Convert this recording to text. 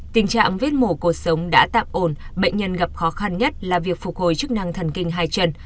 tình trạng vết mổ cuộc sống đã tạm ổn bệnh nhân gặp khó khăn nhất là việc phục hồi chức năng thần kinh hai chân